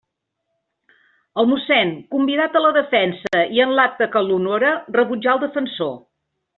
El mossén, convidat a la defensa, i en acte que l'honora, rebutjà defensor.